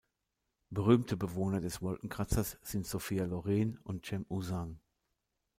Berühmte Bewohner des Wolkenkratzers sind Sophia Loren und Cem Uzan.